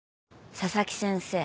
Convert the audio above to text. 佐々木先生